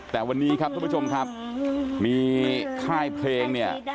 แต่วันนี้ครับทุกผู้ชมครับมีค่ายเพลงเนี่ย